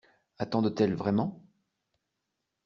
Attendent-elles vraiment?